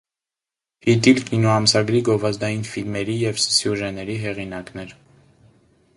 «Ֆիտիլ» կինոամսագրի գովազդային ֆիլմերուն եւ սիւժենէրուն հեղինակն էր։